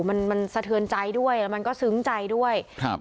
มันมันสะเทือนใจด้วยแล้วมันก็ซึ้งใจด้วยครับ